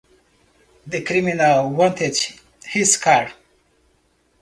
The criminals wanted his car.